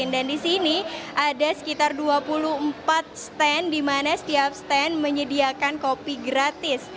dan di sini ada sekitar dua puluh empat stand di mana setiap stand menyediakan kopi gratis